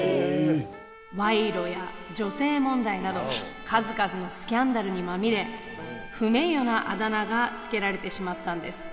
賄賂や女性問題など数々のスキャンダルにまみれ不名誉なあだ名が付けられてしまったんです。